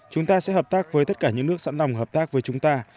chúng ta sẽ hợp tác với tất cả những nước sẵn nòng hợp tác với chúng ta